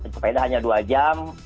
sepeda hanya dua jam